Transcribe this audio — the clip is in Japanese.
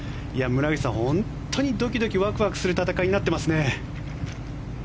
村口さん、本当にドキドキ、ワクワクする展開になっていますね。